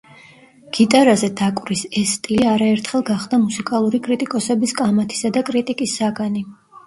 გიტარაზე დაკვრის ეს სტილი არაერთხელ გახდა მუსიკალური კრიტიკოსების კამათისა და კრიტიკის საგანი.